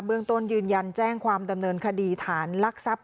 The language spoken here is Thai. เรื่องต้นยืนยันแจ้งความดำเนินคดีฐานลักทรัพย